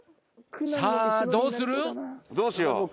さあどうする？